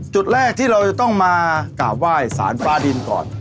จุดแรกที่เราจะต้องมากราบไหว้สารฟ้าดินก่อน